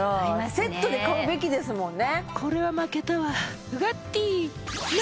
セットで買うべきですもんね